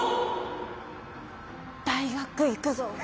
「大学行くぞ！」。